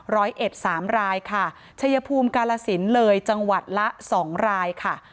ร้อยเอ็ดสามรายค่ะชัยภูมิกาลสินเลยจังหวัดละสองรายค่ะ